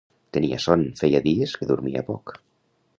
Tenia son, feia dies que dormia poc.